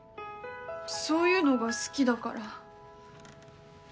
そういうのが好きだから。